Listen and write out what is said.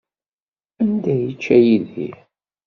Anda ay yečča Yidir?